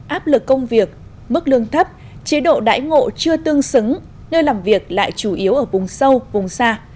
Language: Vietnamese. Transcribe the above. áp lực công việc mức lương thấp chế độ đãi ngộ chưa tương xứng nơi làm việc lại chủ yếu ở vùng sâu vùng xa